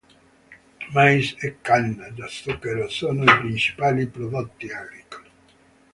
Mais e canna da zucchero sono i principali prodotti agricoli.